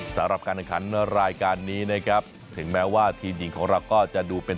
สำหรับการแข่งขันรายการนี้นะครับถึงแม้ว่าทีมหญิงของเราก็จะดูเป็น